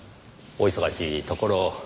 お忙しいところ。